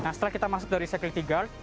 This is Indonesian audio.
nah setelah kita masuk dari security guard